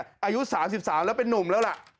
อายุ๓๓แล้วเป็นนุ่มแล้วล่ะ